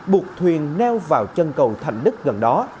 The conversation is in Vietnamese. buộc thuyền neo vào chân cầu thành đức gần đó